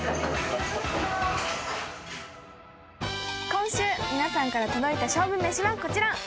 今週皆さんから届いた勝負めしはこちら。